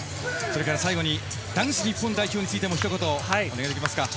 最後に男子日本代表についてもひと言お願いします。